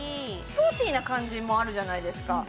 スポーティーな感じもあるじゃないですか